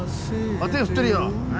手振ってるよ！